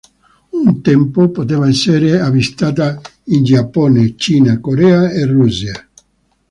Un tempo, poteva essere avvistata in Giappone, Cina, Corea e Russia.